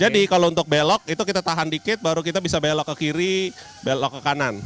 jadi kalau untuk belok itu kita tahan dikit baru kita bisa belok ke kiri belok ke kanan